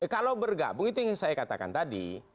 kalau bergabung itu yang saya katakan tadi